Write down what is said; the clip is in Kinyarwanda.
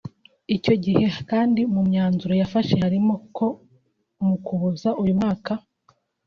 Icyo gihe kandi mu myanzuro yafashwe harimo ko mu Ukuboza uyu mwaka